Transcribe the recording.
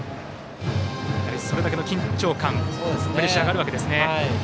それだけの緊張感プレッシャーがあるわけですね。